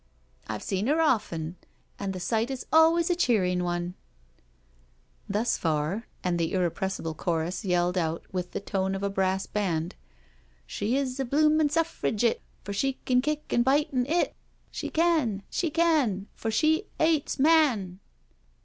I've seen her often, and the sight is always a cheering one —" Thus far, and the irrepressible chorus yelled out with the tone of a brass band: '* She b a Uoomin' Suffirigitt, For she can kick an' bite an' 'it — She can I— She can I— For she 'ales man.